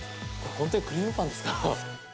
本当にクリームパンですか？